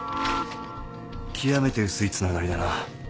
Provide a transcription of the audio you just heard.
極めて薄いつながりだな。